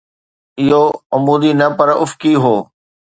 اهو عمودي نه پر افقي هو